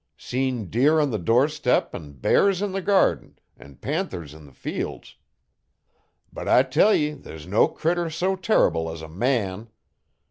Seen deer on the doorstep an' bears in the garden, an' panthers in the fields. But I tell ye there's no critter so terrible as a man.